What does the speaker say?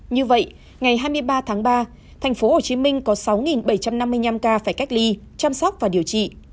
như vậy ngày hai mươi ba tháng ba thành phố hồ chí minh có sáu bảy trăm năm mươi năm ca phải cách ly chăm sóc và điều trị